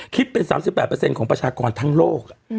คิดเป็น๓๘ของประชากรทั้งโลก